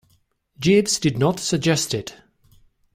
Jeeves did not suggest it.